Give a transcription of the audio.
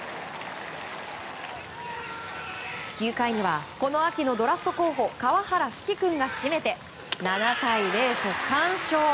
９回には、この秋のドラフト候補川原嗣貴君が締めて７対０と完勝。